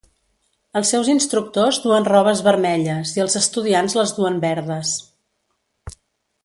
Els seus instructors duen robes vermelles i els estudiants les duen verdes.